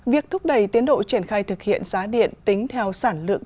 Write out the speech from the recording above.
việc thúc đẩy tiến độ triển khai thực hiện giá điện tính theo sản lượng